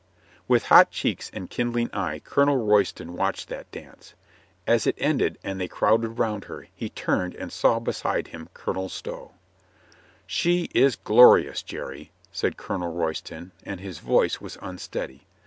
With hot cheeks and kindling eye, Colonel Roy ston watched that dance. As it ended and they crowded round her, he turned and saw beside him Colonel Stow. "She is glorious, Jerry !" said Colonel Royston, and his voice was unsteady.